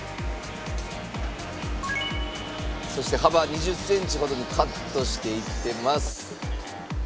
そして幅２０センチほどにカットしていってます。